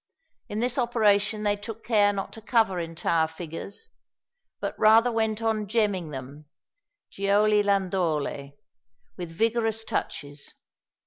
In this operation they took care not to cover entire figures, but rather went on gemming them (gioielandole) with vigorous touches.